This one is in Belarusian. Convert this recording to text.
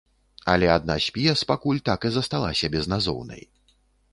Але адна з п'ес пакуль так і засталася безназоўнай.